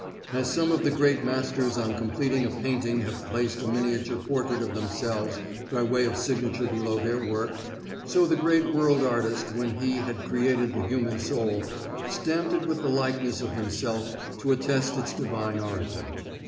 As some of the great masters on completing a painting have placed a miniature portrait of themselves by way of signature below their work, so the great World Artist when He had created the human soul stamped it with the likeness of Himself to attest its divine origin.